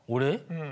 うん。